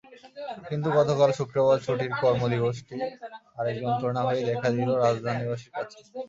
কিন্তু গতকাল শুক্রবার ছুটির কর্মদিবসটি আরেক যন্ত্রণা হয়েই দেখা দিল রাজধানীবাসীর কাছে।